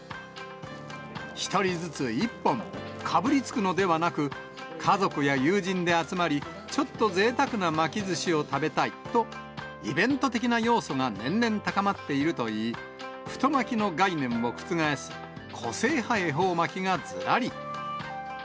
１人ずつ１本、かぶりつくのではなく、家族や友人で集まり、ちょっとぜいたくな巻きずしを食べたいと、イベント的な要素が年々高まっているといい、太巻きの概念を覆す、個性派恵方巻がずらり。